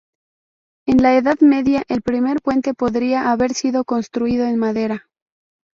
En la Edad Media, el primer puente podría haber sido construido en madera.